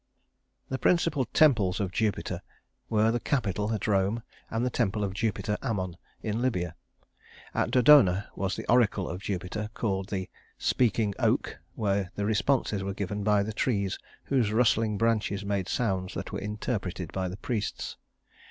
The principal temples of Jupiter were the Capitol at Rome, and the Temple of Jupiter Ammon in Libya. At Dodona was the oracle of Jupiter, called the "Speaking Oak," where the responses were given by the trees whose rustling branches made sounds that were interpreted by the priests.